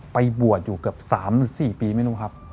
ไปบวชอยู่เกือบ๓๔ปีไม่รู้ครับ